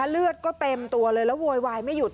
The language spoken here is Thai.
เลือดก็เต็มตัวเลยแล้วโวยวายไม่หยุด